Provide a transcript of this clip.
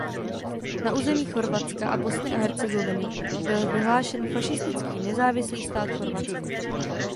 Na území Chorvatska a Bosny a Hercegoviny byl vyhlášen fašistický Nezávislý stát Chorvatsko.